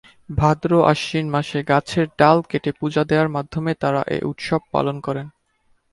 ভাদ্র আশ্বিন মাসে গাছের ডাল কেটে পূজা দেয়ার মাধ্যমে তারা এ উৎসব পালন করে।